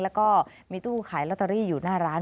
แล้วก็มีตู้ขายลอตเตอรี่อยู่หน้าร้าน